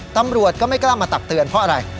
ตำรวจก็ไม่กล้ามาตักเตือนเพราะอะไร